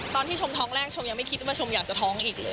ตอนที่ชมท้องแรกชมยังไม่คิดว่าชมอยากจะท้องอีกเลย